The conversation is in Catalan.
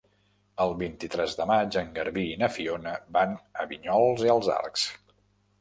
El vint-i-tres de maig en Garbí i na Fiona van a Vinyols i els Arcs.